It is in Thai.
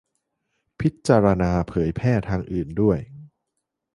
- พิจารณาเผยแพร่ทางอื่นด้วย